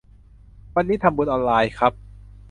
วันนี้ทำบุญออนไลน์ครับ